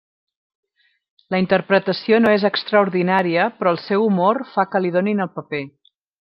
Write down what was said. La interpretació no és extraordinària, però el seu humor fa que li donin el paper.